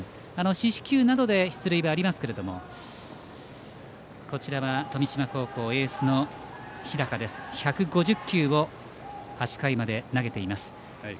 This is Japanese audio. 四死球などで出塁はありますが富島高校、エースの日高１５０球を８回まで投げています。